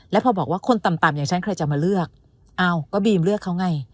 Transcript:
แล้วพอบอกว่าคนต่ำอย่างฉันใครจะมาเลือกอ้าวก็บีมเลือกเขาไง